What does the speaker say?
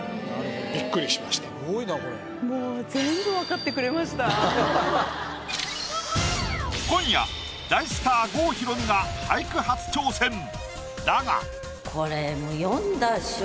もう今夜大スター郷ひろみが俳句初挑戦！だが。